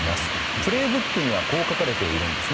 「プレイブック」にはこう書かれています。